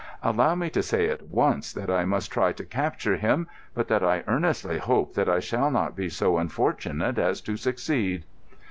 "Allow me to say at once that I must try to capture him, but that I earnestly hope that I shall not be so unfortunate as to succeed."